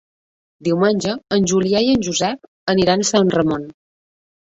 Diumenge en Julià i en Josep aniran a Sant Ramon.